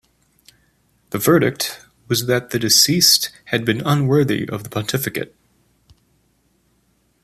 The verdict was that the deceased had been unworthy of the pontificate.